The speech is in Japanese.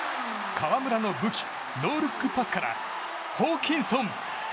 河村の武器ノールックパスからホーキンソン！